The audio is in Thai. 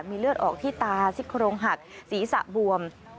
มีเลือดออกที่ตาซิกโครงหักศีรษะบวม